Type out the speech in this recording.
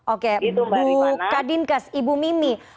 oke bu kadinkes ibu mimi